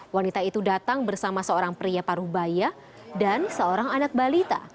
wanita itu datang bersama seorang pria parubaya dan seorang anak balita